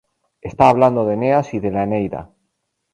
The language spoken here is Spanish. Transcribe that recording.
Está hablando de Eneas y de la Eneida.